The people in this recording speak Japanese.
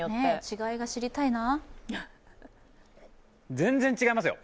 全然違いますよ。